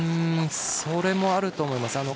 それもあると思います。